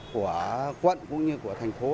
của quận cũng như của thành phố